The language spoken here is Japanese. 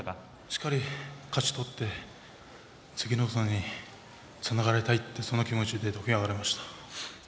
しっかり勝ち取って次の相撲につなげたいという気持ちで上がりました。